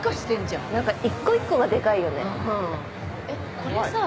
これさ